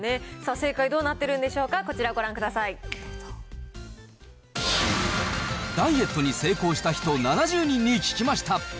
正解どうなってるんでしょうか、ダイエットに成功した人、７０人に聞きました。